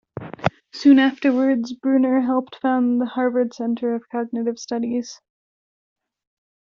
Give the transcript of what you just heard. Soon afterwards Bruner helped found the Harvard Center of Cognitive Studies.